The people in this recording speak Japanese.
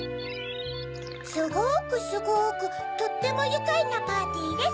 「すごくすごくとってもゆかいなパーティーです。